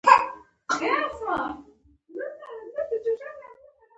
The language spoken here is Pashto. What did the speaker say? لوی جنجال درته جوړوي.